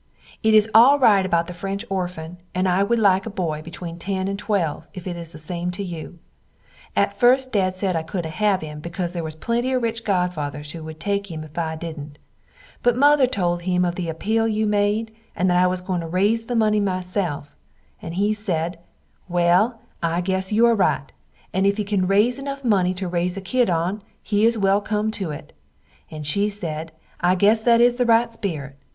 It is al rite about the french orfan and I wood like a boy between ten and twelve if it is the same to you. At fust dad sed I coodnt have him because there was plenty of rich godfathers who wood take him if I didn't, but mother told him of the apeel you made and that I was goin to raze the money myself, and he sed well I guess you are rite and if he can raze enuf money to raze a kid on he is well come to it, and she sed I guess that is the rite spirit.